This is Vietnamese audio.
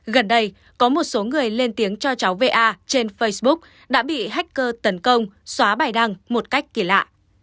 gần đây có một số người lên tiếng cho cháu va trên facebook đã bị hacker tấn công xóa bài đăng một cách kỳ lạ